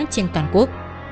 trên toàn quốc